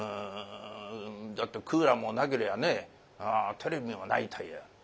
だってクーラーもなけりゃあねテレビもないという。